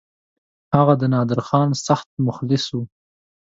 هغه د نادرخان سخت مخلص وو.